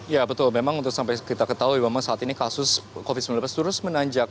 ya betul memang untuk sampai kita ketahui memang saat ini kasus covid sembilan belas terus menanjak